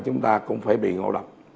chúng ta cũng phải bị ngộ độc